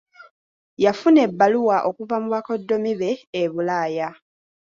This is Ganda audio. Yafuna ebbaluwa okuva mu bakodomi be e Bulaaya.